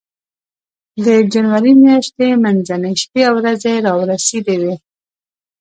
د جنوري میاشتې منځنۍ شپې او ورځې را ورسېدې وې.